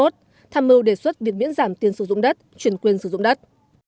tham mưu đề xuất việc miễn giảm tiền sử dụng đất chuyển quyền sử dụng đất